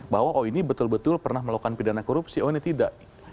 bahwa oh ini betul betul pernah melakukan pidana korupsi oh ini tidak